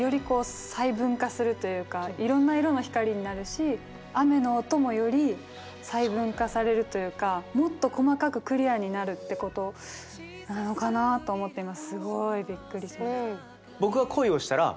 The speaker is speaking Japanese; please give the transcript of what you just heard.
こう細分化するというかいろんな色の光になるし雨の音もより細分化されるというかもっと細かくクリアになるってことなのかなあと思って今すごいびっくりしました。